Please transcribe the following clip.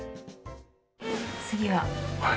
次は。